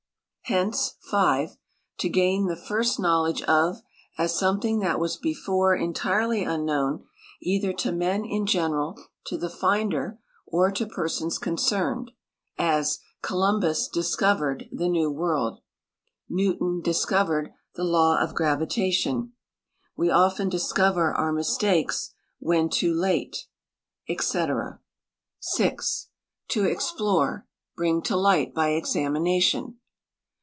" Hence 5. To gain the first knowledge of, as something that was be fore entirely unknown, either to men in general, to the finder, or to j)crsons concerned; as, Columbus discovered the new world; Newton dijscovered the law of gravitation ; we often discover our mistakes when too late, &.C. "6. To explore; bring to light by examination."